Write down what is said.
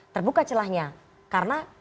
terbuka celahnya karena